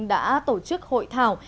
đã tổ chức hội thảo